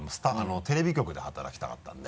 テレビ局で働きたかったんで。